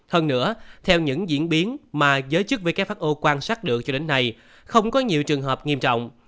hơn nữa theo những diễn biến mà giới chức who quan sát được cho đến nay không có nhiều trường hợp nghiêm trọng